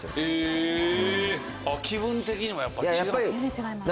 え気分的にもやっぱ違う？